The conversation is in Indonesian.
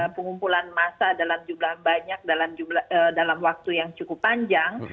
pengumpulan massa dalam jumlah banyak dalam waktu yang cukup panjang